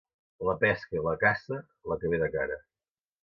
La pesca i la caça, la que ve de cara.